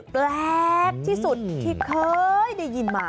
แปลกที่สุดที่เคยได้ยินมา